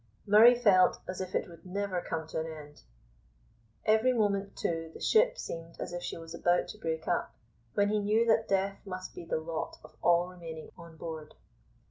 Murray felt as if it would never come to an end. Every moment too the ship seemed as if she was about to break up, when he knew that death must be the lot of all remaining on board.